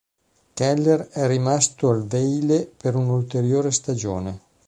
Keller è rimasto al Vejle per un'ulteriore stagione.